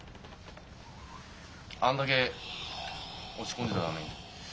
あんだけ落ち込んでたのに。